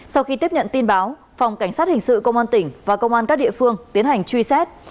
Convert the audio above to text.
sau khi tiếp nhận tin báo phòng cảnh sát hình sự công an tỉnh và công an các địa phương tiến hành truy xét